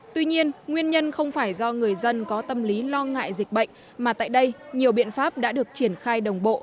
tuy nhiên nguyên nhân không phải do người dân có tâm lý lo ngại dịch bệnh mà tại đây nhiều biện pháp đã được triển khai đồng bộ